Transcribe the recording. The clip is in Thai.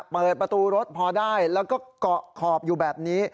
เปิดประตูรถพอได้แล้วก็เกาะขอบอยู่แบบนี้